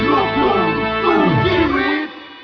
โหโหโหโหทุกทีเว้ย